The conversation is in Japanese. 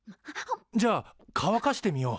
じゃあかわかしてみよう。